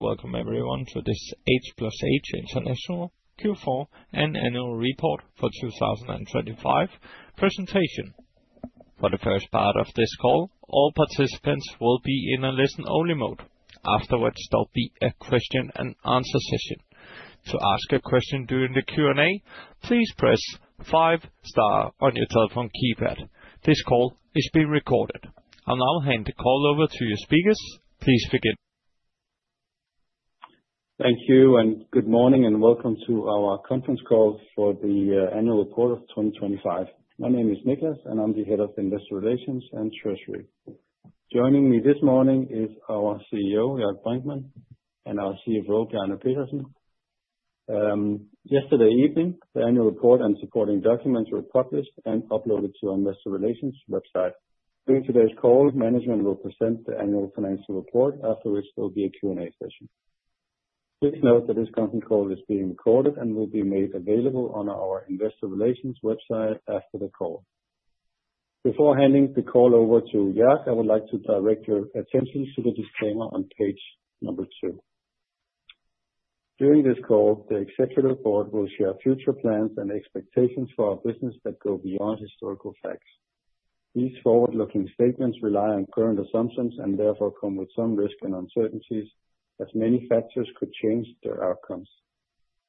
Welcome everyone to this H+H International Q4 and Annual Report for 2025 Presentation. For the first part of this call, all participants will be in a listen-only mode. Afterwards, there'll be a question and answer session. To ask a question during the Q&A, please press five star on your telephone keypad. This call is being recorded. I'll now hand the call over to your speakers. Please begin. Thank you, and good morning, and welcome to our Conference Call for the Annual Report of 2025. My name is Niclas, and I'm the Head of Investor Relations and Treasury. Joining me this morning is our CEO, Jörg Brinkmann, and our CFO, Bjarne Pedersen. Yesterday evening, the annual report and supporting documents were published and uploaded to our Investor Relations website. During today's call, management will present the annual financial report, after which there will be a Q&A session. Please note that this conference call is being recorded and will be made available on our Investor Relations website after the call. Before handing the call over to Jörg, I would like to direct your attention to the disclaimer on page two. During this call, the executive board will share future plans and expectations for our business that go beyond historical facts. These forward-looking statements rely on current assumptions and therefore come with some risks and uncertainties as many factors could change their outcomes.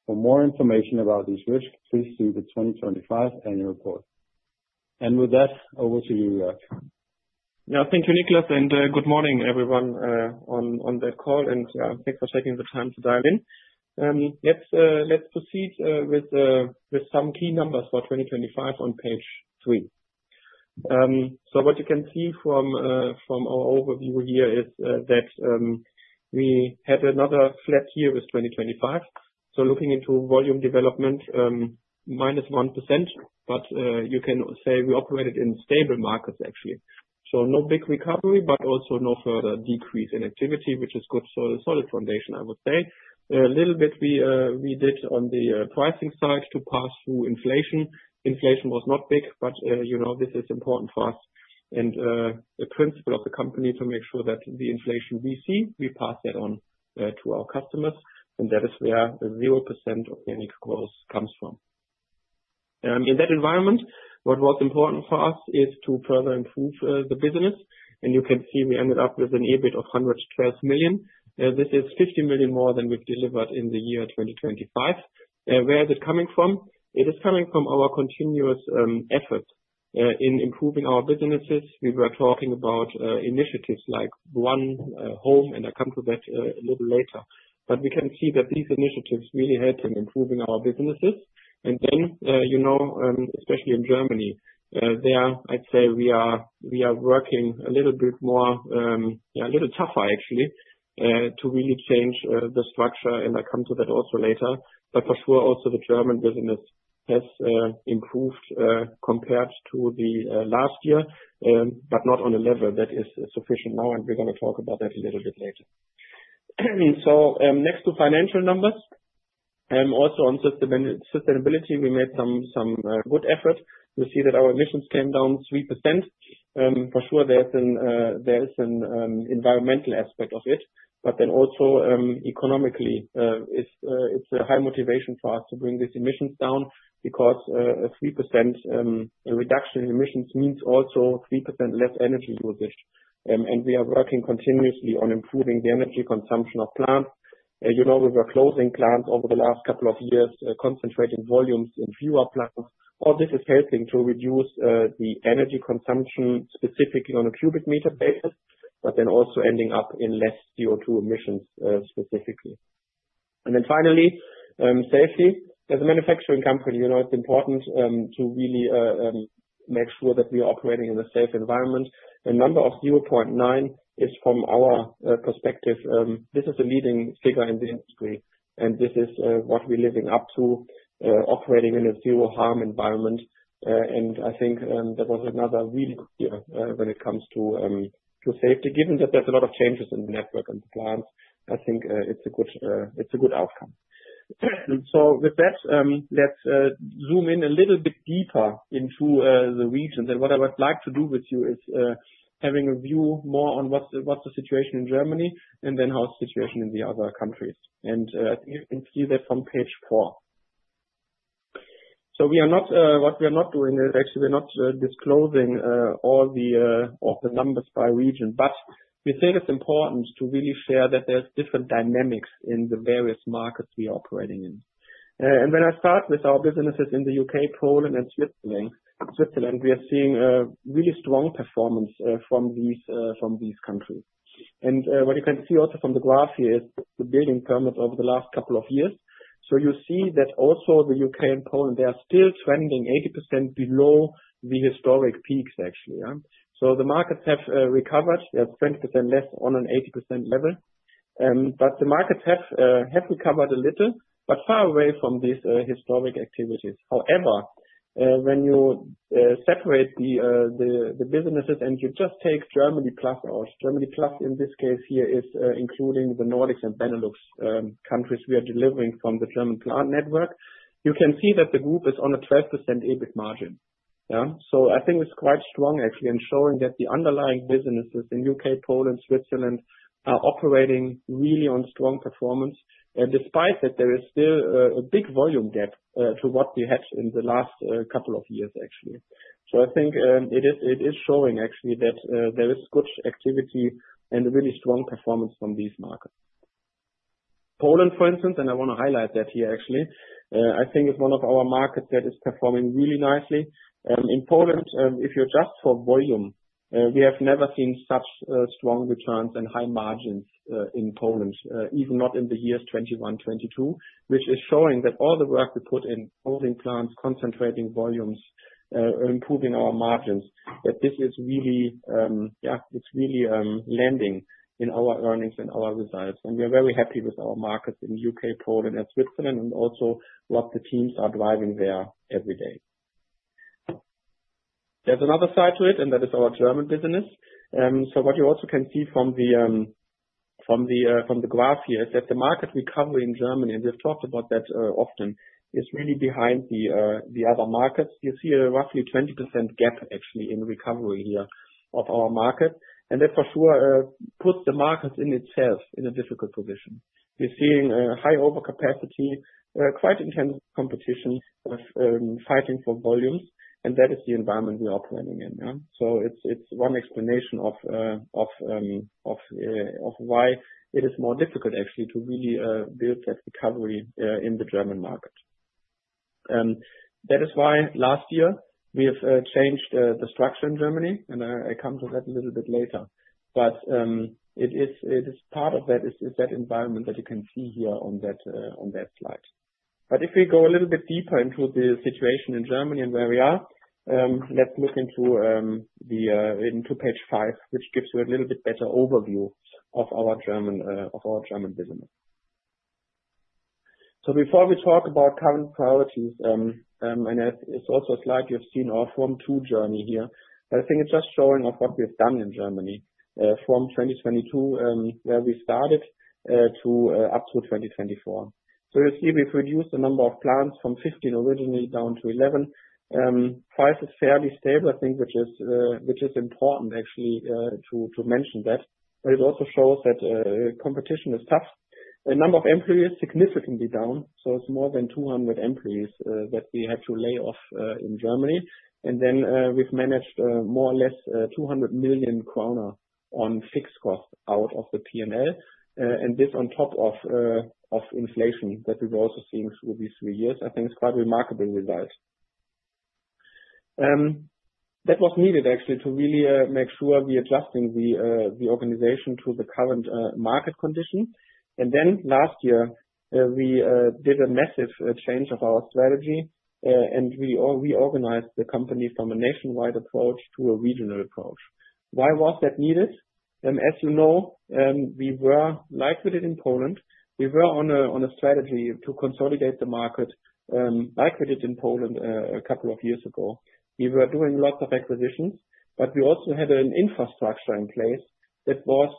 For more information about these risks, please see the 2025 annual report. With that, over to you, Jörg. Yeah. Thank you, Niclas, and good morning everyone on the call and thanks for taking the time to dial in. Let's proceed with some key numbers for 2025 on page three. What you can see from our overview here is that we had another flat year with 2025. Looking into volume development -1%, but you can say we operated in stable markets actually. No big recovery, but also no further decrease in activity, which is good. A solid foundation, I would say. A little bit we did on the pricing side to pass through inflation. Inflation was not big, but you know, this is important for us and the principle of the company to make sure that the inflation we see, we pass that on to our customers, and that is where the 0% organic growth comes from. In that environment, what was important for us is to further improve the business. You can see we ended up with an EBIT of 112 million. This is 50 million more than we've delivered in the year 2025. Where is it coming from? It is coming from our continuous effort in improving our businesses. We were talking about initiatives like one HOME, and I'll come to that a little later. We can see that these initiatives really helped in improving our businesses and then you know, especially in Germany, there, I'd say we are working a little bit more, a little tougher actually, to really change the structure, and I come to that also later. For sure, also the German business has improved compared to the last year, but not on a level that is sufficient now, and we're gonna talk about that a little bit later. Next to financial numbers, also on sustainability, we made some good effort. We see that our emissions came down 3%. For sure there's an environmental aspect of it, but then also economically, it's a high motivation for us to bring these emissions down because a 3% reduction in emissions means also 3% less energy usage. We are working continuously on improving the energy consumption of plants. You know, we were closing plants over the last couple of years, concentrating volumes in fewer plants. All this is helping to reduce the energy consumption specifically on a cubic meter basis, but then also ending up in less CO2 emissions, specifically. Finally, safety. As a manufacturing company, you know, it's important to really make sure that we are operating in a safe environment. A number of 0.9 is from our perspective, this is a leading figure in the industry, and this is what we're living up to, operating in a zero harm environment. I think that was another really good year when it comes to safety. Given that there's a lot of changes in the network and plants, I think it's a good outcome. With that, let's zoom in a little bit deeper into the regions. What I would like to do with you is having a view more on what's the situation in Germany and then how's the situation in the other countries. You can see that from page four. We are not disclosing all the numbers by region, but we think it's important to really share that there's different dynamics in the various markets we are operating in. When I start with our businesses in the U.K., Poland, and Switzerland, we are seeing a really strong performance from these countries. What you can see also from the graph here is the building permits over the last couple of years. You see that also the U.K. and Poland, they are still trending 80% below the historic peaks actually. The markets have recovered. They are 20% less on an 80% level. But the markets have recovered a little, but far away from these historic activities. However, when you separate the businesses and you just take Germany+ in this case here is including the Nordics and Benelux countries we are delivering from the German plant network, you can see that the group is on a 12% EBIT margin. Yeah. So I think it's quite strong actually, in showing that the underlying businesses in U.K., Poland, Switzerland are operating really on strong performance. Despite that, there is still a big volume gap to what we had in the last couple of years, actually. I think it is showing actually that there is good activity and a really strong performance from these markets. Poland, for instance, and I wanna highlight that here actually, I think is one of our markets that is performing really nicely. In Poland, if you adjust for volume, we have never seen such strong returns and high margins in Poland, even not in the years 2021, 2022, which is showing that all the work we put in closing plants, concentrating volumes, improving our margins, that this is really, it's really landing in our earnings and our results. We are very happy with our markets in U.K., Poland, and Switzerland, and also what the teams are driving there every day. There's another side to it, and that is our German business. What you also can see from the graph here is that the market recovery in Germany, and we've talked about that often, is really behind the other markets. You see a roughly 20% gap actually in recovery here of our market. That for sure puts the markets in itself in a difficult position. We're seeing high overcapacity, quite intense competition with fighting for volumes, and that is the environment we are operating in now. It's one explanation of why it is more difficult actually to really build that recovery in the German market. That is why last year we have changed the structure in Germany, and I come to that a little bit later but it is part of that environment that you can see here on that slide. If we go a little bit deeper into the situation in Germany and where we are, let's look into page five, which gives you a little bit better overview of our German business. Before we talk about current priorities, it's also a slide you've seen our From/To journey here. I think it's just showing of what we have done in Germany from 2022, where we started, up to 2024. You see we've reduced the number of plants from 15 originally down to 11. Price is fairly stable, I think, which is important actually to mention that. It also shows that competition is tough. The number of employees, significantly down, so it's more than 200 employees that we had to lay off in Germany. We've managed more or less 200 million kroner on fixed costs out of the P&L. This on top of inflation that we've also seen through these three years, I think is quite remarkable results. That was needed actually to really make sure we're adjusting the organization to the current market condition. Last year we did a massive change of our strategy and we reorganized the company from a nationwide approach to a regional approach. Why was that needed? As you know, we were, like we did in Poland, on a strategy to consolidate the market, like we did in Poland a couple of years ago. We were doing lots of acquisitions, but we also had an infrastructure in place that was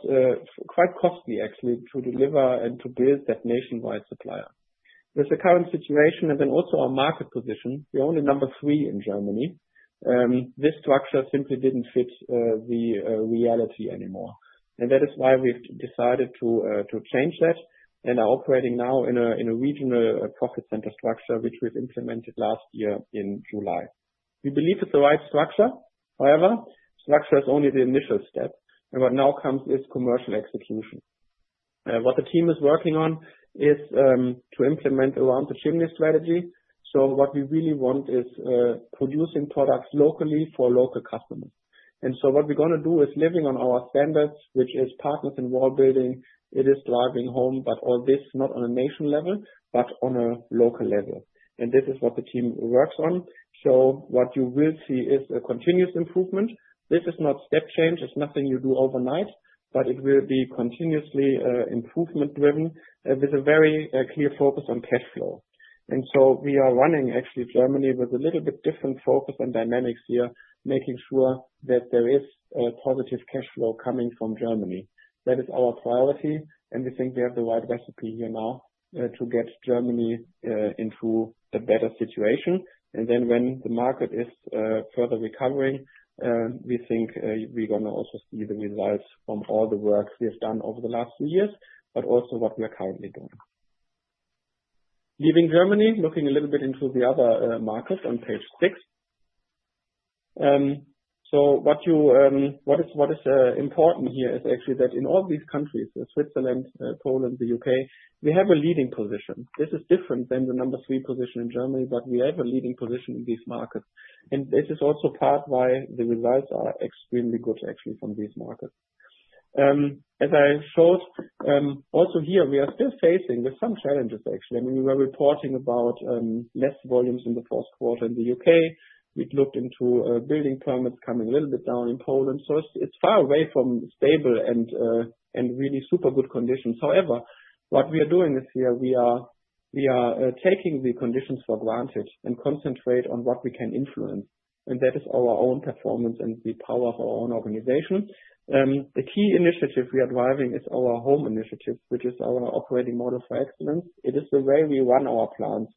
quite costly actually to deliver and to build that nationwide supplier. With the current situation and then also our market position, we're only number three in Germany, this structure simply didn't fit the reality anymore. That is why we've decided to change that and are operating now in a regional profit center structure which we've implemented last year in July. We believe it's the right structure. However, structure is only the initial step and what now comes is commercial execution. What the team is working on is to implement around the chimney strategy. What we really want is producing products locally for local customers. What we're gonna do is living on our standards, which is Partners in Wall Building. It is driving HOME, but all this not on a nation level, but on a local level. This is what the team works on. What you will see is a continuous improvement. This is not step change. It's nothing you do overnight, but it will be continuously improvement driven with a very clear focus on cash flow. We are running actually Germany with a little bit different focus on dynamics here, making sure that there is a positive cash flow coming from Germany. That is our priority, and we think we have the right recipe here now to get Germany into a better situation. Then when the market is further recovering, we think we're gonna also see the results from all the work we have done over the last few years, but also what we are currently doing. Leaving Germany, looking a little bit into the other markets on page six. So what is important here is actually that in all these countries, Switzerland, Poland, the U.K., we have a leading position. This is different than the number three position in Germany, but we have a leading position in these markets. This is also part why the results are extremely good actually from these markets. As I showed, also here, we are still facing with some challenges actually. I mean, we were reporting about less volumes in the first quarter in the U.K. We'd looked into building permits coming a little bit down in Poland. It's far away from stable and really super good conditions. However, what we are doing this year, we are taking the conditions for granted and concentrate on what we can influence, and that is our own performance and the power of our own organization. The key initiative we are driving is our HOME initiative, which is our operating model for excellence. It is the way we run our plants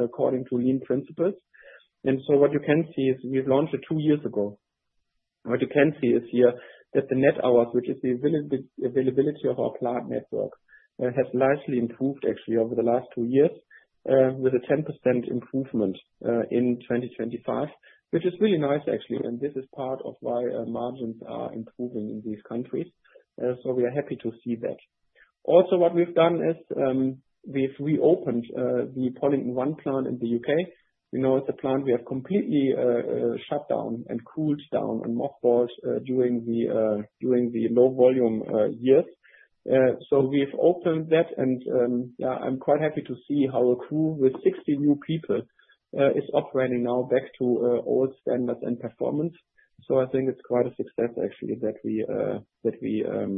according to lean principles. What you can see is we've launched it two years ago. What you can see is here that the net hours, which is the availability of our plant network, has largely improved actually over the last two years, with a 10% improvement in 2025, which is really nice actually, and this is part of why margins are improving in these countries. We are happy to see that. Also, what we've done is we've reopened the Pollington 1 plant in the U.K. We know it's a plant we have completely shut down and cooled down and mothballed during the low volume years. We've opened that and I'm quite happy to see how a crew with 60 new people is operating now back to old standards and performance. I think it's quite a success actually that we are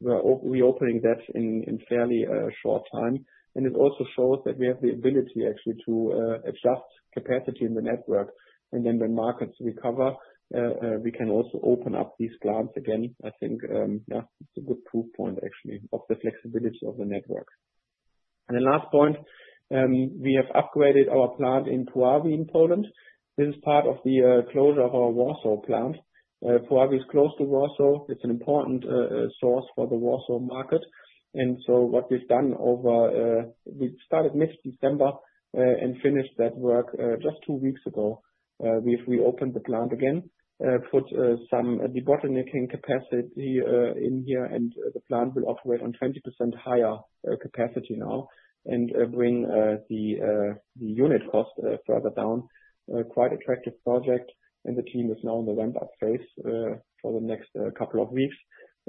reopening that in fairly short time. It also shows that we have the ability actually to adjust capacity in the network. When markets recover, we can also open up these plants again. I think it's a good proof point actually of the flexibility of the network. The last point, we have upgraded our plant in Puławy in Poland. This is part of the closure of our Warsaw plant. Puławy is close to Warsaw. It's an important source for the Warsaw market. We started mid-December and finished that work just two weeks ago. We've reopened the plant again, put some debottlenecking capacity in here, and the plant will operate on 20% higher capacity now and bring the unit cost further down. Quite attractive project and the team is now in the ramp-up phase for the next couple of weeks.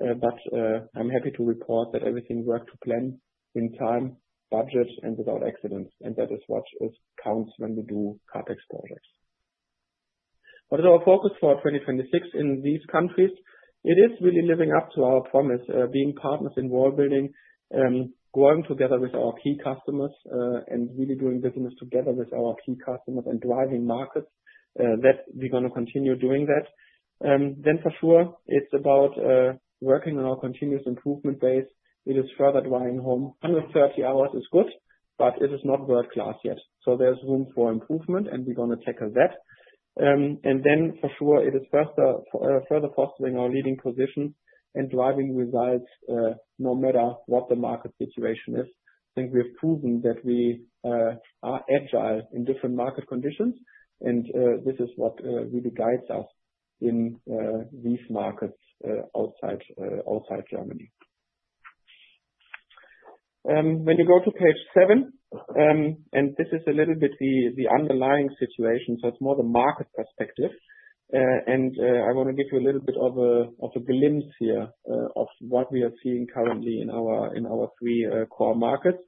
I'm happy to report that everything worked to plan in time, budget and without accidents, and that is what counts when we do CapEx projects. What is our focus for 2026 in these countries? It is really living up to our promise, being Partners in Wall Building, growing together with our key customers, and really doing business together with our key customers and driving markets that we're gonna continue doing that. For sure it's about working on our continuous improvement base. It is further driving HOME. 130 hours is good, but it is not world-class yet. There's room for improvement and we're gonna tackle that. Then for sure it is first further fostering our leading position and driving results, no matter what the market situation is. I think we have proven that we are agile in different market conditions, and this is what really guides us in these markets outside Germany. When you go to page seven, this is a little bit the underlying situation, it's more the market perspective. I wanna give you a little bit of a glimpse here of what we are seeing currently in our three core markets.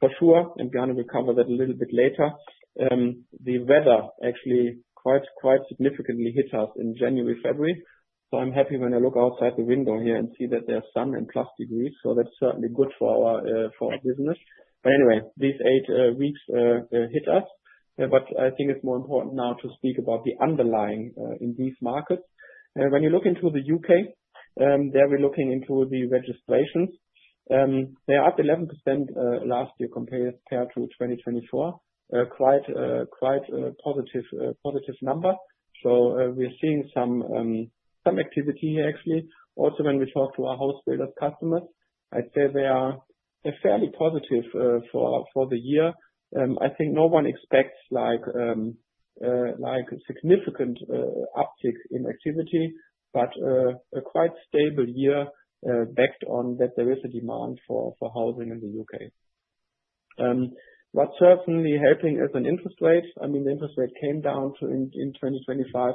For sure, Bjarne will cover that a little bit later. The weather actually quite significantly hit us in January, February. I'm happy when I look outside the window here and see that there are sun and plus degrees. That's certainly good for our business. Anyway, these eight weeks hit us, but I think it's more important now to speak about the underlying in these markets. When you look into the U.K., there we're looking into the registrations. They're up 11% last year compared to 2024. Quite positive number. We're seeing some activity here actually. Also, when we talk to our house builder customers, I'd say they are, they're fairly positive for the year. I think no one expects like significant uptick in activity, but a quite stable year, based on that there is a demand for housing in the U.K. What's certainly helping is an interest rate. I mean, the interest rate came down to in 2025.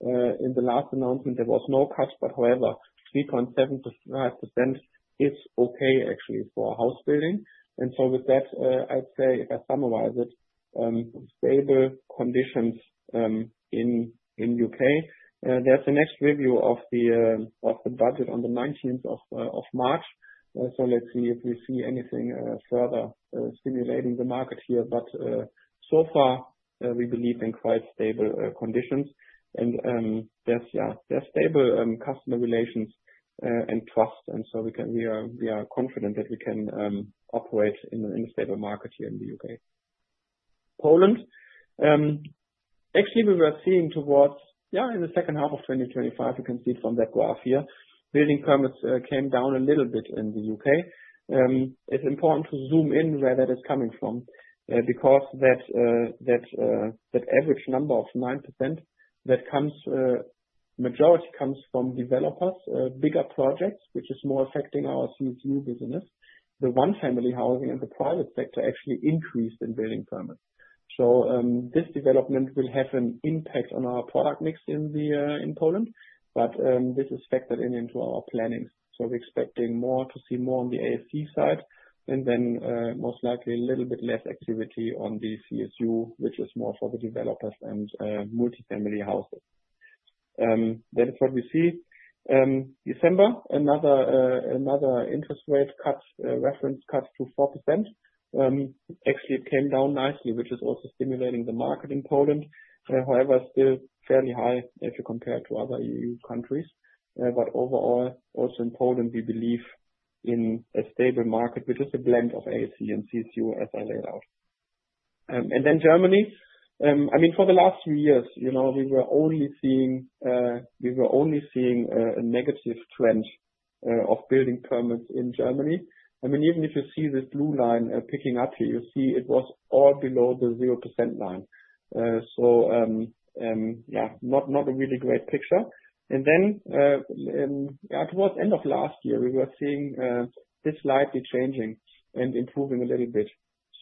In the last announcement there was no cut, but however, 3.7% is okay actually for house building. With that, I'd say if I summarize it, stable conditions in U.K. There's the next review of the budget on the 19th of March. Let's see if we see anything further stimulating the market here. So far, we believe in quite stable conditions and there's stable customer relations and trust and so we can operate in a stable market here in the U.K. Poland. Actually we were seeing towards in the second half of 2025, you can see from that graph here, building permits came down a little bit in the U.K. It's important to zoom in where that is coming from because that average number of 9% that comes majority comes from developers bigger projects, which is more affecting our CSU business. The one family housing and the private sector actually increased in building permits. This development will have an impact on our product mix in Poland. This is factored in into our planning. We're expecting to see more on the AAC side and then most likely a little bit less activity on the CSU, which is more for the developers and multifamily houses. That is what we see. December, another interest rate cut, reference cut to 4%. Actually it came down nicely, which is also stimulating the market in Poland. However, still fairly high if you compare to other E.U. countries. Overall, also in Poland, we believe in a stable market, which is a blend of ASC and CSU, as I laid out. Germany, I mean, for the last few years, you know, we were only seeing a negative trend of building permits in Germany. I mean, even if you see this blue line picking up here, you see it was all below the 0% line. Yeah, not a really great picture and that was end of last year, we were seeing this slightly changing and improving a little bit.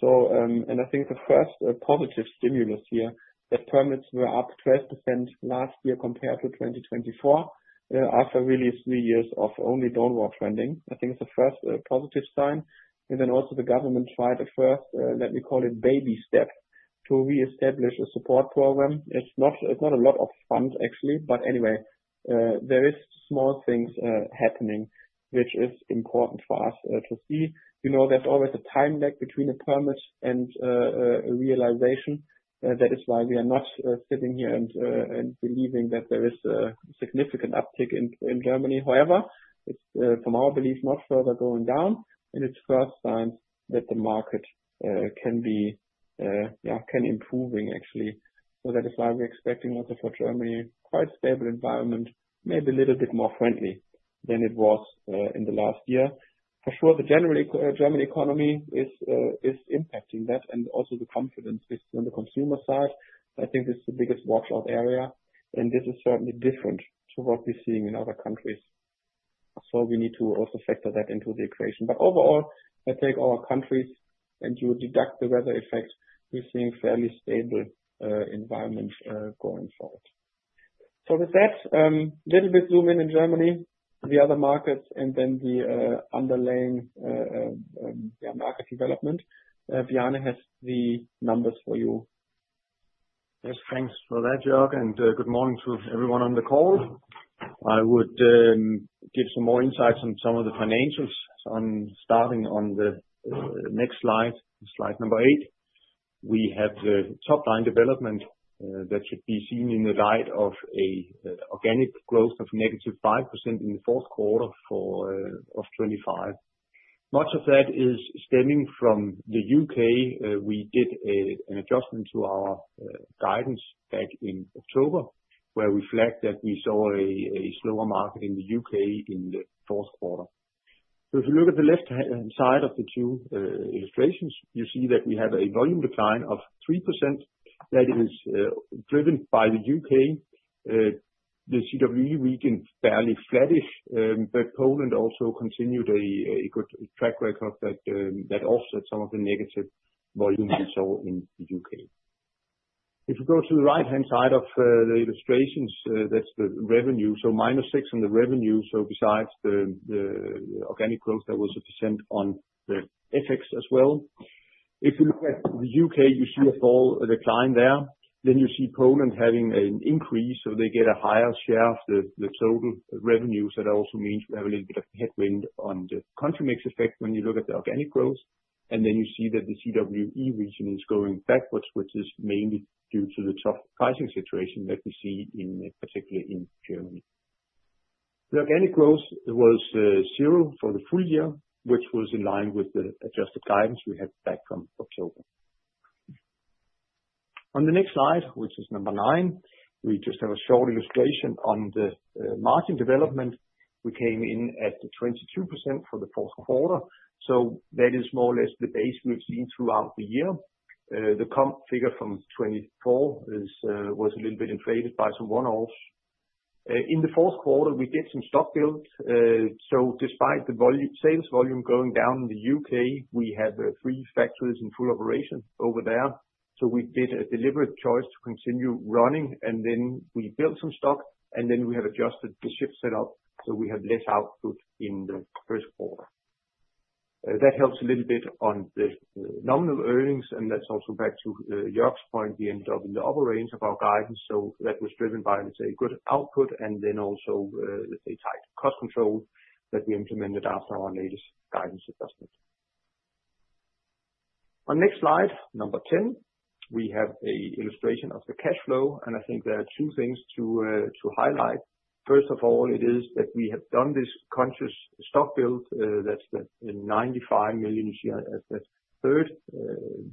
I think the first positive stimulus here, that permits were up 12% last year compared to 2024, after really three years of only downward trending. I think it's the first positive sign. Then also the government tried the first, let me call it baby step to reestablish a support program. It's not a lot of funds actually, but anyway, there is small things happening, which is important for us to see. You know, there's always a time lag between the permits and realization. That is why we are not sitting here and believing that there is a significant uptick in Germany. However, it's from our belief, not further going down, and it's first time that the market can be improving actually. That is why we're expecting also for Germany, quite stable environment, maybe a little bit more friendly than it was in the last year. For sure, the German economy is impacting that and also the confidence on the consumer side. I think this is the biggest watch-out area, and this is certainly different to what we're seeing in other countries. We need to also factor that into the equation. Overall, if I take all countries, and if you deduct the weather effects, we're seeing fairly stable environments going forward. With that, little bit zoom in on Germany, the other markets and then the underlying market development. Bjarne has the numbers for you. Yes, thanks for that, Jörg, and good morning to everyone on the call. I would give some more insights on some of the financials on starting on the next slide number eight. We have the top line development that should be seen in the light of a organic growth of negative 5% in the fourth quarter for of 2025. Much of that is stemming from the UK. We did an adjustment to our guidance back in October, where we flagged that we saw a slower market in the U.K. in the fourth quarter. If you look at the left hand side of the two illustrations, you see that we have a volume decline of 3% that is driven by the U.K. The CWE region, fairly flattish, but Poland also continued a good track record that offset some of the negative volumes we saw in the U.K. If you go to the right-hand side of the illustrations, that's the revenue, so -6% on the revenue. Besides the organic growth, that was 1% on the FX as well. If you look at the UK, you see a fall, a decline there. Then you see Poland having an increase, so they get a higher share of the total revenues. That also means we have a little bit of headwind on the country mix effect when you look at the organic growth. Then you see that the CWE region is going backwards, which is mainly due to the tough pricing situation that we see in, particularly in Germany. Organic growth was zero for the full year, which was in line with the adjusted guidance we had back from October. On the next slide, which is number nine, we just have a short illustration on the margin development. We came in at 22% for the fourth quarter, so that is more or less the base we've seen throughout the year. The comp figure from 2024 was a little bit inflated by some one-offs. In the fourth quarter, we did some stock builds. Despite the sales volume going down in the U.K., we have three factories in full operation over there. We did a deliberate choice to continue running, and then we built some stock, and then we have adjusted the shift setup so we have less output in the first quarter. That helps a little bit on the nominal earnings, and that's also back to Jörg's point. We ended up in the upper range of our guidance, so that was driven by, let's say, good output and then also, let's say, tight cost control that we implemented after our latest guidance adjustment. On next slide, number ten, we have a illustration of the cash flow, and I think there are two things to highlight. First of all, it is that we have done this conscious stock build, that's the 95 million here at that third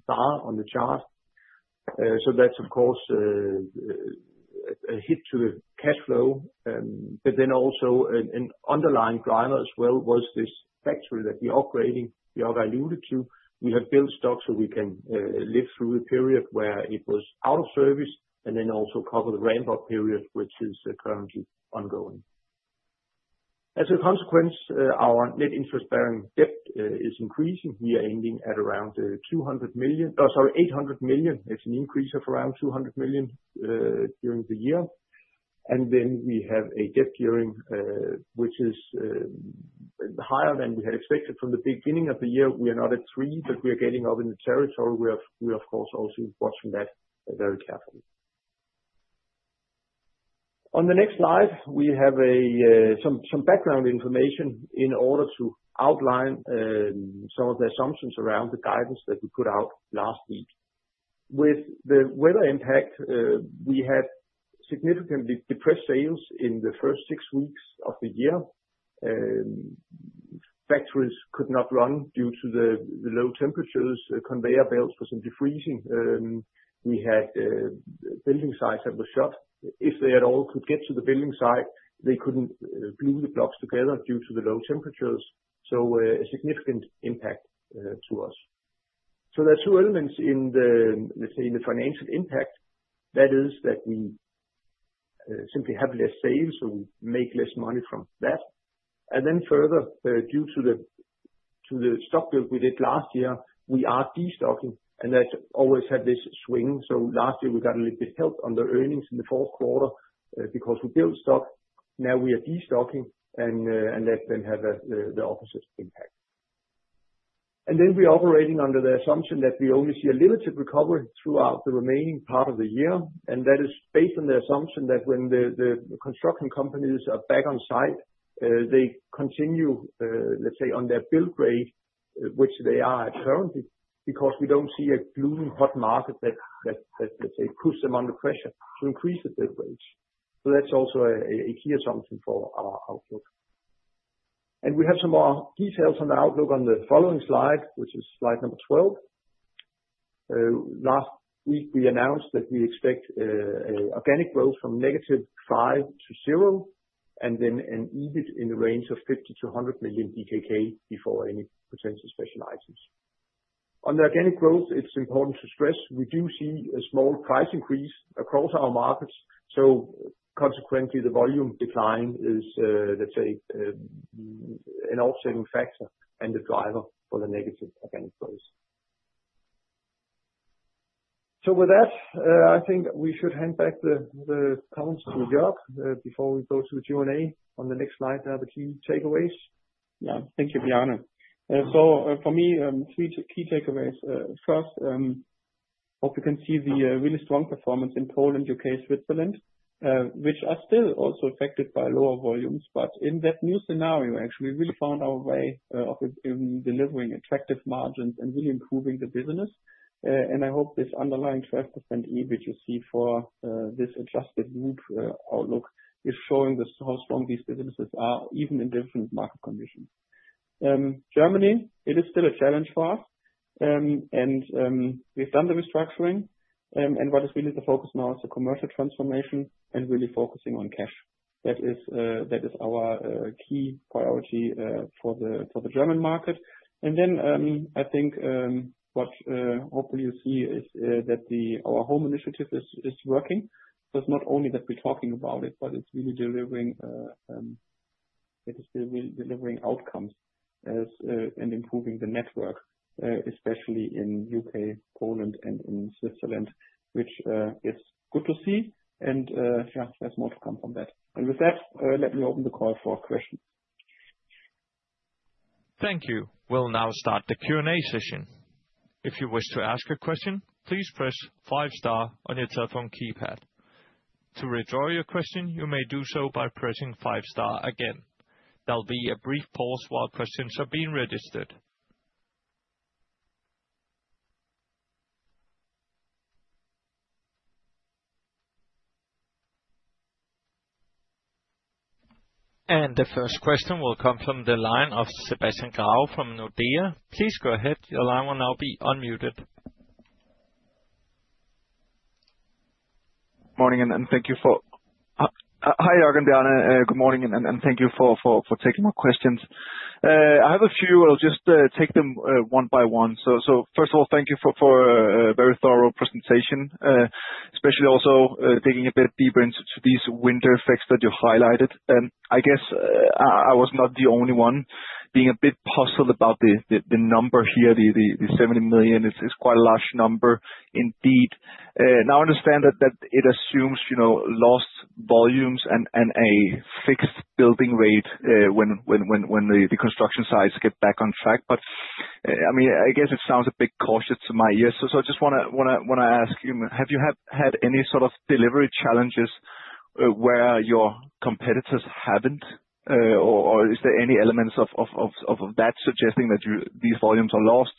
bar on the chart. That's of course a hit to the cash flow. Then also an underlying driver as well was this factory that we're upgrading, Jörg alluded to. We have built stock, so we can live through a period where it was out of service and then also cover the ramp-up period, which is currently ongoing. As a consequence, our net interest-bearing debt is increasing. We are ending at around 800 million. It's an increase of around 200 million during the year. Then we have a debt gearing, which is higher than we had expected from the beginning of the year. We are not at three, but we are getting up in the territory. We are of course also watching that very carefully. On the next slide, we have some background information in order to outline some of the assumptions around the guidance that we put out last week. With the weather impact, we had significantly depressed sales in the first six weeks of the year. Factories could not run due to the low temperatures. Conveyor belts wasn't de-freezing. We had building sites that were shut. If they at all could get to the building site, they couldn't glue the blocks together due to the low temperatures. A significant impact to us. There are two elements in the, let's say, in the financial impact. That is that we simply have less sales, so we make less money from that. Then further, due to the stock build we did last year, we are de-stocking, and that always had this swing. Last year, we got a little bit help on the earnings in the fourth quarter, because we built stock. Now we are destocking and that then has the opposite impact. We're operating under the assumption that we only see a limited recovery throughout the remaining part of the year, and that is based on the assumption that when the construction companies are back on site, they continue, let's say, on their build rate, which they are currently, because we don't see a blooming hot market that, let's say, puts them under pressure to increase the build rates. That's also a key assumption for our outlook. We have some more details on the outlook on the following slide, which is slide number 12. Last week, we announced that we expect organic growth from -5% to 0%, and then an EBIT in the range of 50-100 million DKK before any potential special items. On the organic growth, it's important to stress we do see a small price increase across our markets. Consequently, the volume decline is, let's say, an offsetting factor and the driver for the negative organic growth. With that, I think we should hand back the comments to Jörg before we go to the Q&A. On the next slide are the key takeaways. Yeah. Thank you, Bjarne. For me, three key takeaways. First, hope you can see the really strong performance in Poland, U.K., Switzerland, which are still also affected by lower volumes. In that new scenario, actually, we really found our way of delivering attractive margins and really improving the business. I hope this underlying 12% EBIT you see for this adjusted group outlook is showing just how strong these businesses are, even in different market conditions. Germany, it is still a challenge for us. We've done the restructuring, and what is really the focus now is the commercial transformation and really focusing on cash. That is our key priority for the German market. I think what hopefully you see is that our HOME initiative is working. It's not only that we're talking about it, but it's really delivering outcomes as in improving the net hours, especially in U.K., Poland and in Switzerland, which is good to see. Yeah, there's more to come from that. With that, let me open the call for questions. Thank you. We'll now start the Q&A session. If you wish to ask a question, please press five star on your telephone keypad. To withdraw your question, you may do so by pressing five star again. There'll be a brief pause while questions are being registered. The first question will come from the line of Sebastian Grave from Nordea. Please go ahead. Your line will now be unmuted. Morning, and thank you for. Hi, Jörg and Bjarne. Good morning, and thank you for taking more questions. I have a few. I'll just take them one by one. First of all, thank you for a very thorough presentation, especially also digging a bit deeper into these winter effects that you highlighted. I guess I was not the only one being a bit puzzled about the number here. The 70 million is quite a large number indeed. I understand that it assumes, you know, lost volumes and a fixed building rate, when the construction sites get back on track. I mean, I guess it sounds a bit cautious to my ears. I just wanna ask you, have you had any sort of delivery challenges where your competitors haven't? Or is there any elements of that suggesting that these volumes are lost?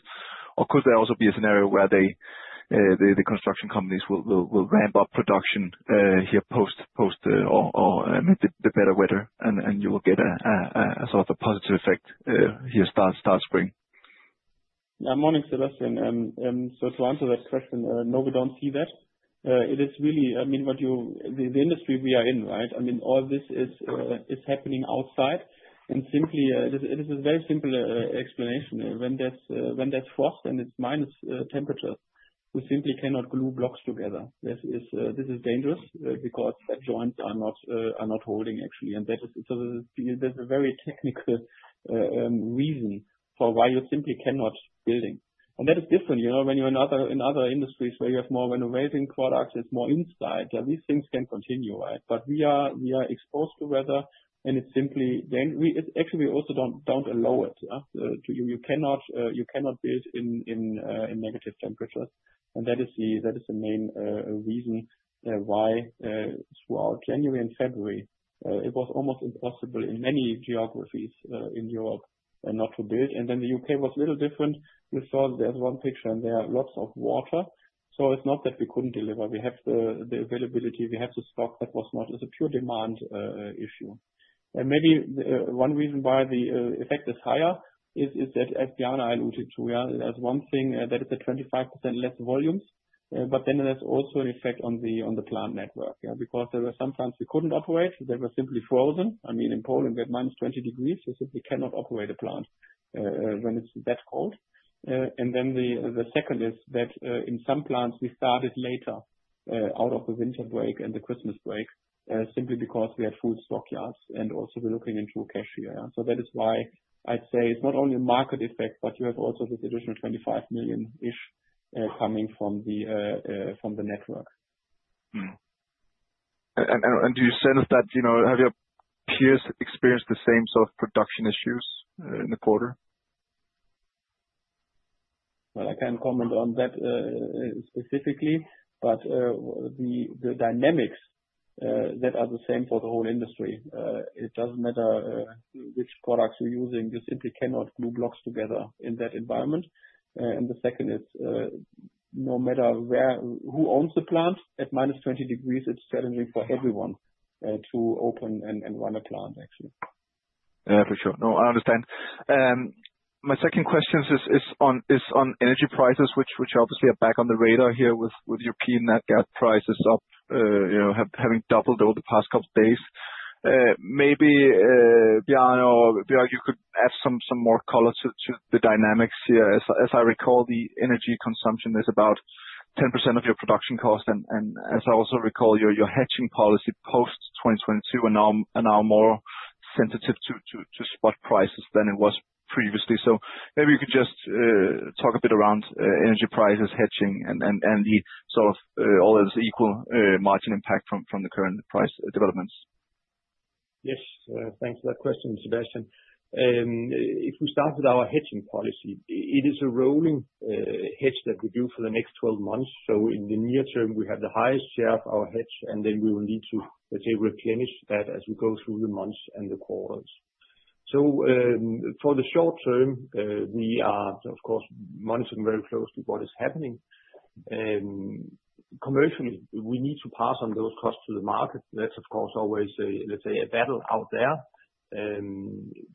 Or could there also be a scenario where the construction companies will ramp up production here post the better weather and you will get a sort of a positive effect here start spring. Yeah. Morning, Sebastian. To answer that question, no, we don't see that. It is really, I mean, what the industry we are in, right? I mean, all this is happening outside. Simply, it is a very simple explanation. When there's frost and it's minus temperatures, we simply cannot glue blocks together. This is dangerous because the joints are not holding actually. There's a very technical reason for why you simply cannot build. That is different, you know, when you're in other industries where you have more renovation products, it's more inside, these things can continue, right? We are exposed to weather, and it's simply. It's actually we also don't allow it to you. You cannot build in negative temperatures. That is the main reason why throughout January and February it was almost impossible in many geographies in Europe not to build. The U.K. was a little different. You saw there's one picture and there are lots of water. It's not that we couldn't deliver. We have the availability. We have the stock. That was not. It's a pure demand issue. Maybe one reason why the effect is higher is that as Bjarne alluded to, we are as one thing that is the 25% less volumes. There's also an effect on the plant network, yeah, because there were some plants we couldn't operate. They were simply frozen. I mean, in Poland we have -20 degrees, so simply cannot operate a plant when it's that cold. The second is that in some plants we started later out of the winter break and the Christmas break simply because we had full stock yards and also we're looking into cash here. That is why I'd say it's not only a market effect, but you have also this additional 25 million-ish coming from the network. Do you sense that, you know? Have your peers experienced the same sort of production issues in the quarter? Well, I can't comment on that, specifically, but the dynamics that are the same for the whole industry, it doesn't matter which products you're using, you simply cannot glue blocks together in that environment. The second is, no matter who owns the plant, at-20 degrees, it's challenging for everyone to open and run a plant actually. Yeah, for sure. No, I understand. My second question is on energy prices which obviously are back on the radar here with European nat gas prices up, you know, having doubled over the past couple of days. Maybe Bjarne, you could add some more color to the dynamics here. As I recall, the energy consumption is about 10% of your production cost. As I also recall, your hedging policy post 2022 are now more sensitive to spot prices than it was previously. Maybe you could just talk a bit around energy prices hedging and the sort of overall margin impact from the current price developments. Yes. Thanks for that question, Sebastian. If we start with our hedging policy, it is a rolling hedge that we do for the next 12 months. In the near term, we have the highest share of our hedge, and then we will need to, let's say, replenish that as we go through the months and the quarters. For the short term, we are of course monitoring very closely what is happening. Commercially, we need to pass on those costs to the market. That's of course always a, let's say, a battle out there.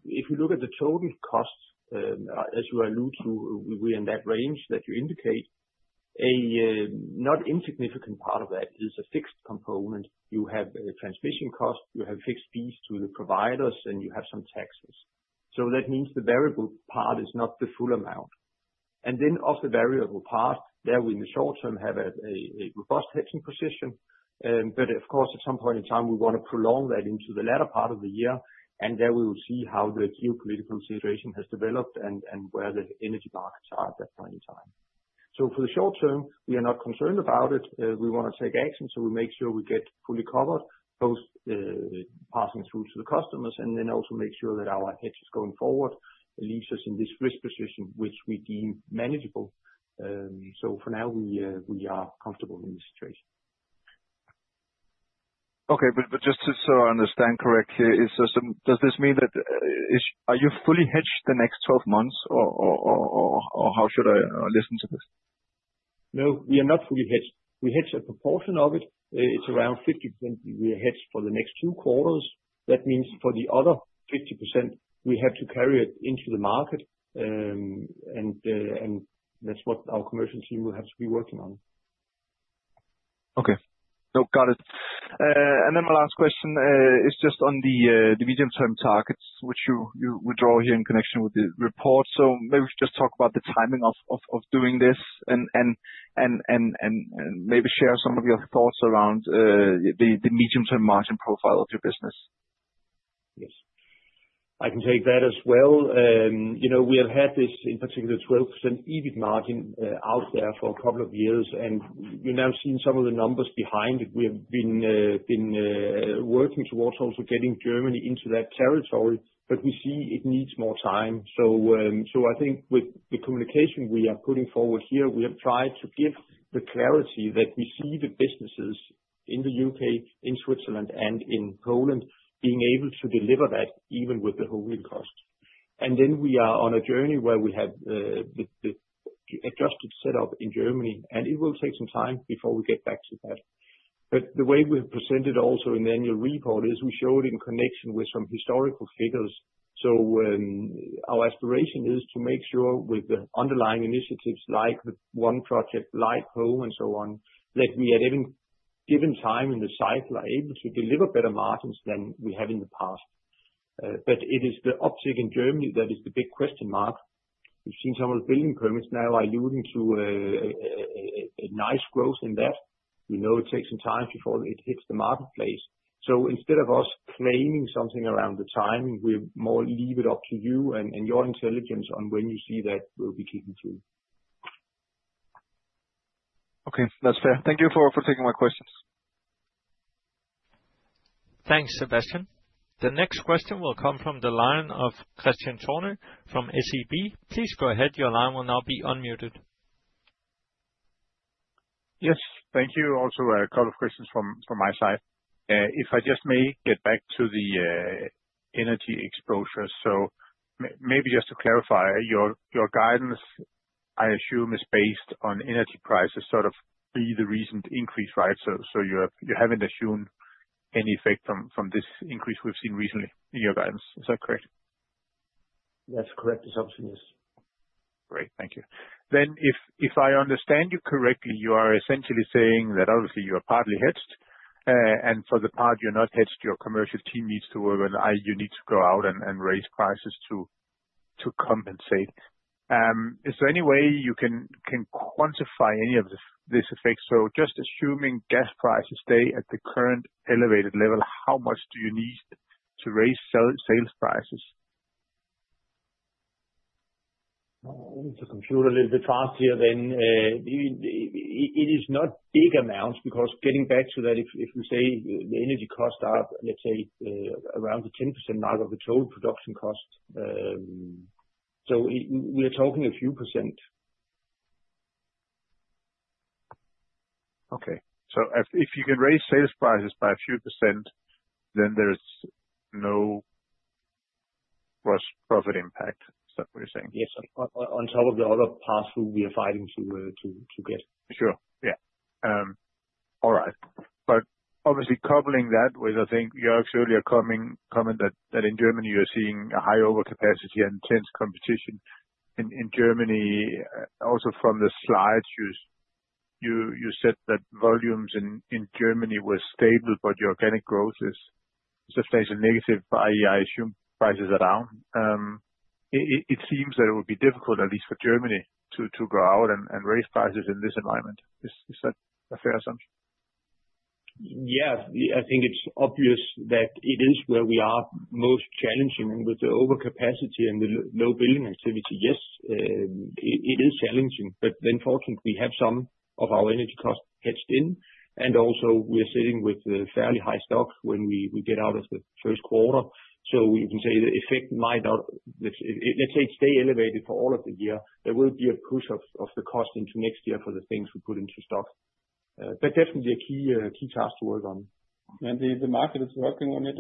If you look at the total costs, as you allude to, we're in that range that you indicate. An not insignificant part of that is a fixed component. You have a transmission cost, you have fixed fees to the providers, and you have some taxes. That means the variable part is not the full amount. Of the variable part, there we in the short term have a robust hedging position. Of course, at some point in time, we wanna prolong that into the latter part of the year, and there we will see how the geopolitical situation has developed and where the energy markets are at that point in time. For the short term, we are not concerned about it. We wanna take action, so we make sure we get fully covered, both passing through to the customers and then also make sure that our hedges going forward leaves us in this risk position which we deem manageable. For now, we are comfortable in this situation. Okay. Just so I understand correctly here, does this mean that you are fully hedged for the next 12 months or how should I listen to this? No, we are not fully hedged. We hedge a proportion of it. It's around 50% we hedge for the next two quarters. That means for the other 50% we have to carry it into the market. That's what our commercial team will have to be working on. Okay. No, got it. My last question is just on the medium-term targets which you withdraw here in connection with the report. Maybe just talk about the timing of doing this and maybe share some of your thoughts around the medium-term margin profile of your business. Yes. I can take that as well. You know, we have had this in particular 12% EBIT margin out there for a couple of years, and we've now seen some of the numbers behind it. We have been working towards also getting Germany into that territory, but we see it needs more time. So I think with the communication we are putting forward here, we have tried to give the clarity that we see the businesses in the U.K., in Switzerland, and in Poland being able to deliver that even with the high fuel cost. Then we are on a journey where we have the adjusted set up in Germany, and it will take some time before we get back to that. The way we've presented also in the annual report is we showed in connection with some historical figures. Our aspiration is to make sure with the underlying initiatives like the one project like HOME and so on, that we at any given time in the cycle are able to deliver better margins than we have in the past. It is the uptick in Germany that is the big question mark. We've seen some of the building permits now alluding to a nice growth in that. We know it takes some time before it hits the marketplace. Instead of us claiming something around the timing, we more leave it up to you and your intelligence on when you see that we'll be kicking through. Okay. That's fair. Thank you for taking my questions. Thanks, Sebastian. The next question will come from the line of Kristian Tornøe from SEB. Please go ahead. Your line will now be unmuted. Yes. Thank you. Also, a couple of questions from my side. If I just may get back to the energy exposure. Maybe just to clarify your guidance. I assume is based on energy prices sort of being the recent increase, right? You haven't assumed any effect from this increase we've seen recently in your guidance. Is that correct? That's correct. The assumption, yes. Great, thank you. If I understand you correctly, you are essentially saying that obviously you are partly hedged, and for the part you're not hedged, your commercial team needs to work, and you need to go out and raise prices to compensate. Is there any way you can quantify any of this effect? Just assuming gas prices stay at the current elevated level, how much do you need to raise sales prices? Only if the computer a little bit faster then it is not big amounts because getting back to that, if we say the energy costs are, let's say, around the 10% mark of the total production cost, so we are talking a few percent. Okay. If you can raise sales prices by a few %, then there is no gross profit impact, is that what you're saying? Yes. On top of the other parts who we are fighting to get. Sure. Yeah. All right. Obviously coupling that with, I think your earlier comment that in Germany you're seeing a high overcapacity and intense competition. In Germany also from the slides you said that volumes in Germany were stable, but your organic growth stays negative, but I assume prices are down. It seems that it would be difficult at least for Germany to grow out and raise prices in this environment. Is that a fair assumption? Yeah. I think it's obvious that it is where we are most challenging with the overcapacity and the low building activity. Yes, it is challenging, but then fortunately we have some of our energy costs hedged in, and also we're sitting with a fairly high stock when we get out of the first quarter. We can say the effect might not. Let's say it stay elevated for all of the year. There will be a push of the cost into next year for the things we put into stock. But definitely a key task to work on. The market is working on it.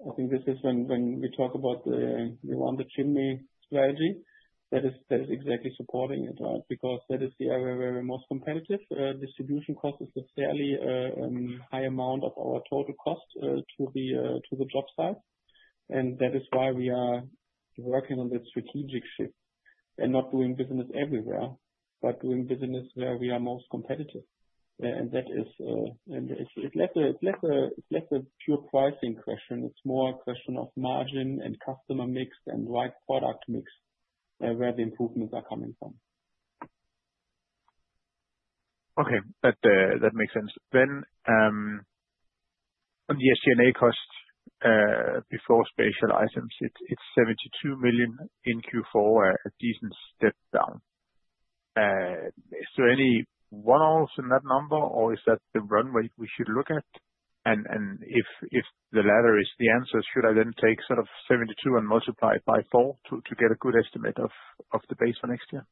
I think this is when we talk about the around the chimney strategy. That is exactly supporting it, right? Because that is the area where we're most competitive. Distribution cost is a fairly high amount of our total cost to the job site. That is why we are working on that strategic shift and not doing business everywhere, but doing business where we are most competitive. That is, and it's less a pure pricing question. It's more a question of margin and customer mix and right product mix where the improvements are coming from. Okay. That makes sense. On the SG&A costs before special items, it's 72 million in Q4, a decent step down. Is there any one-offs in that number or is that the runway we should look at? If the latter is the answer, should I then take sort of 72 and multiply it by four to get a good estimate of the base for next year?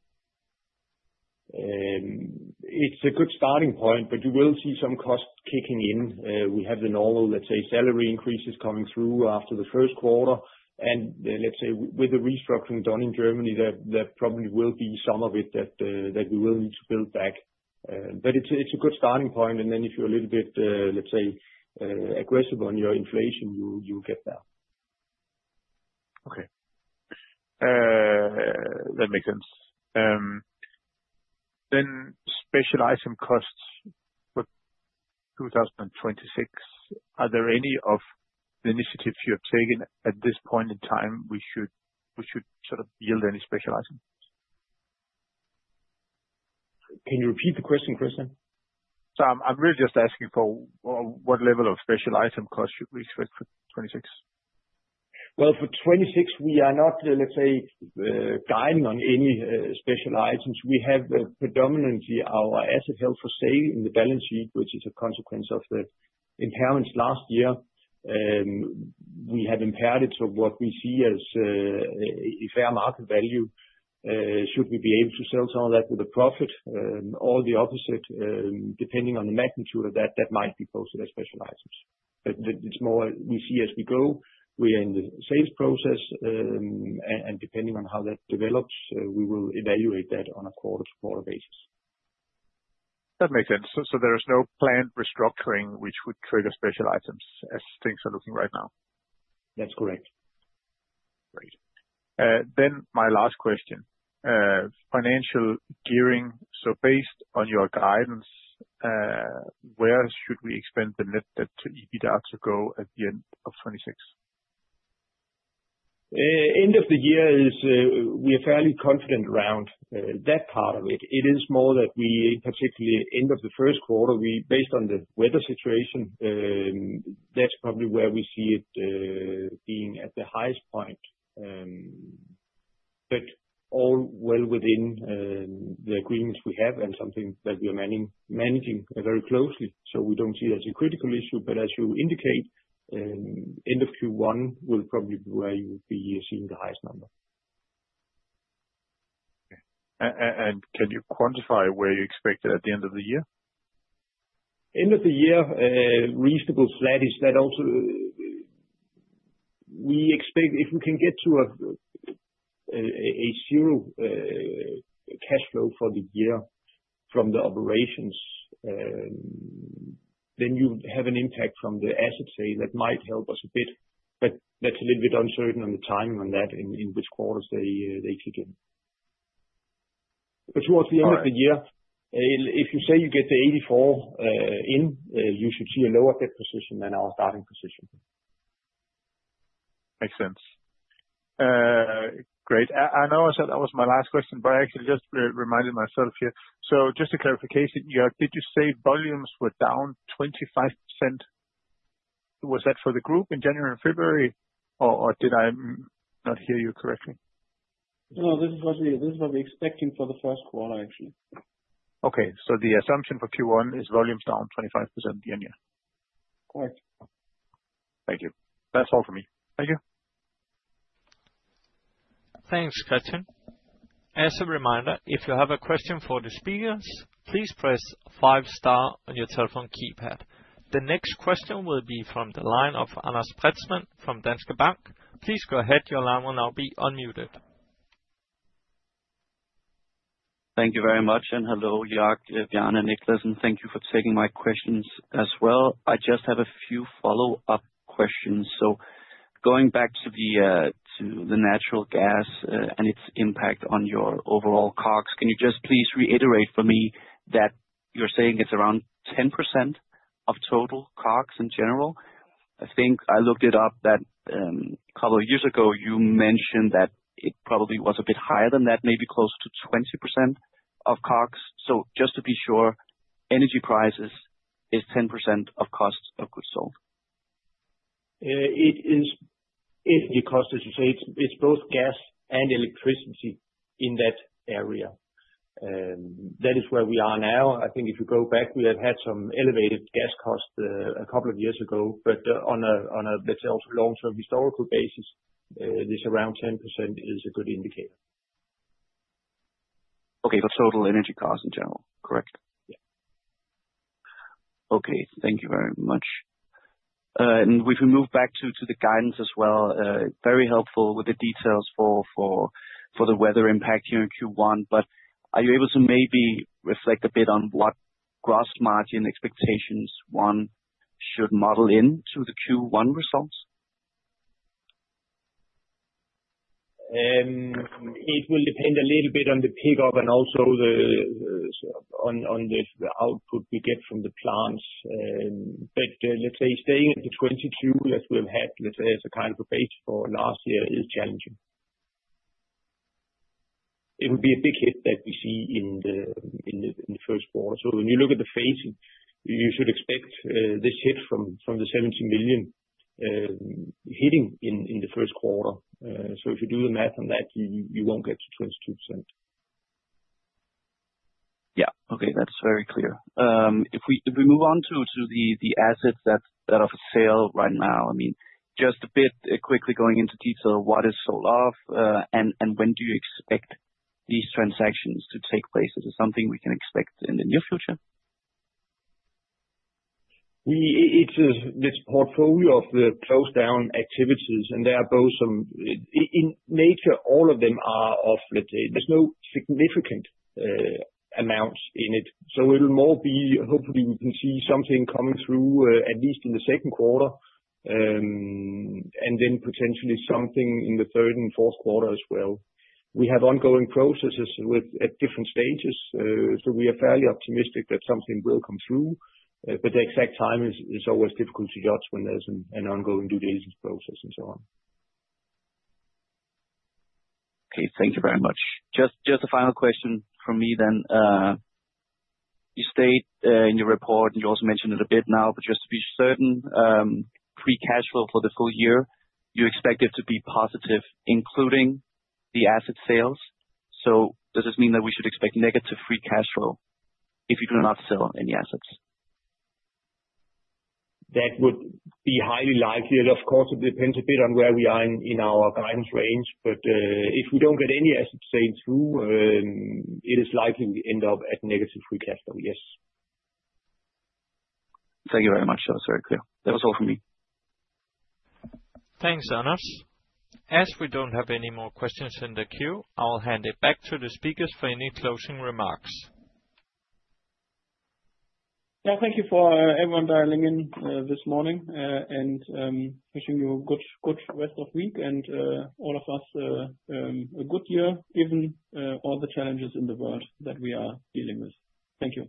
It's a good starting point, but you will see some costs kicking in. We have the normal, let's say, salary increases coming through after the first quarter. Let's say with the restructuring done in Germany, that probably will be some of it that we will need to build back. It's a good starting point. Then if you're a little bit, let's say, aggressive on your inflation, you'll get there. Okay. That makes sense. Special item costs for 2026, are there any of the initiatives you have taken at this point in time we should sort of yield any special items? Can you repeat the question, Kristian? I'm really just asking for what level of special item costs should we expect for 2026? Well, for 2026 we are not, let's say, guiding on any special items. We have predominantly our asset held for sale in the balance sheet, which is a consequence of the impairments last year. We have impaired it to what we see as a fair market value. Should we be able to sell some of that with a profit or the opposite, depending on the magnitude of that might be posted as special items. It's more we see as we go. We are in the sales process, and depending on how that develops, we will evaluate that on a quarter-to-quarter basis. That makes sense. There is no planned restructuring which would trigger special items as things are looking right now? That's correct. Great. My last question. Financial gearing. Based on your guidance, where should we expect the net debt to EBITDA to go at the end of 2026? End of the year is, we are fairly confident around that part of it. It is more that we particularly end of the first quarter, we based on the weather situation, that's probably where we see it being at the highest point. But all well within the agreements we have and something that we are managing very closely. We don't see it as a critical issue, but as you indicate, end of Q1 will probably be where you'll be seeing the highest number. Okay. Can you quantify where you expect it at the end of the year? End of the year, reasonable flattish. That also. We expect if we can get to zero cash flow for the year from the operations, then you have an impact from the asset sale that might help us a bit, but that's a little bit uncertain on the timing on that in which quarters they kick in. Towards the end of the year, if you say you get to 84, you should see a lower debt position than our starting position. Makes sense. Great. I know I said that was my last question, but I actually just reminded myself here. Just a clarification, Jörg, did you say volumes were down 25%? Was that for the group in January and February, or did I not hear you correctly? No, this is what we're expecting for the first quarter, actually. Okay. The assumption for Q1 is volumes down 25% year-on-year? Correct. Thank you. That's all for me. Thank you. Thanks, Kristian. As a reminder, if you have a question for the speakers, please press five star on your telephone keypad. The next question will be from the line of Anders Preetzmann from Danske Bank. Please go ahead. Your line will now be unmuted. Thank you very much, and hello, Jörg, Bjarne, Niclas, and thank you for taking my questions as well. I just have a few follow-up questions. Going back to the natural gas and its impact on your overall COGS, can you just please reiterate for me that you're saying it's around 10% of total COGS in general? I think I looked it up that a couple of years ago, you mentioned that it probably was a bit higher than that, maybe close to 20% of COGS. Just to be sure, energy prices is 10% of cost of goods sold. It costs, as you say, it's both gas and electricity in that area. That is where we are now. I think if you go back, we have had some elevated gas costs, a couple of years ago. On a, let's say, also long-term historical basis, this around 10% is a good indicator. Okay. Total energy costs in general, correct? Yeah. Okay, thank you very much. If we move back to the guidance as well, very helpful with the details for the weather impact here in Q1, but are you able to maybe reflect a bit on what gross margin expectations one should model into the Q1 results? It will depend a little bit on the pickup and also on the output we get from the plants. Let's say staying at the 22%, as we've had, let's say, as a kind of a base for last year is challenging. It would be a big hit that we see in the first quarter. When you look at the phasing, you should expect this hit from 17 million hitting in the first quarter. If you do the math on that, you won't get to 22%. Yeah. Okay. That's very clear. If we move on to the assets that are for sale right now. I mean, just a bit quickly going into detail, what is sold off, and when do you expect these transactions to take place? Is it something we can expect in the near future? It's this portfolio of the close down activities, and there are both some in nature, all of them are of, let's say, there's no significant amounts in it. It'll more be, hopefully we can see something coming through at least in the second quarter, and then potentially something in the third and fourth quarter as well. We have ongoing processes with at different stages, so we are fairly optimistic that something will come through. The exact time is always difficult to judge when there's an ongoing due diligence process and so on. Okay, thank you very much. Just a final question from me then. You state in your report, and you also mentioned it a bit now, but just to be certain, free cash flow for the full year, you expect it to be positive, including the asset sales. Does this mean that we should expect negative free cash flow if you do not sell any assets? That would be highly likely, and of course, it depends a bit on where we are in our guidance range. If we don't get any asset sale through, it is likely we end up at negative free cash flow, yes. Thank you very much. That was very clear. That was all from me. Thanks, Anders. As we don't have any more questions in the queue, I'll hand it back to the speakers for any closing remarks. Yeah, thank you for everyone dialing in this morning, and wishing you a good rest of week and all of us a good year, given all the challenges in the world that we are dealing with. Thank you.